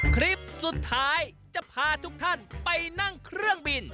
คลิปสุดท้ายจะพาทุกท่านไปนั่งเครื่องบิน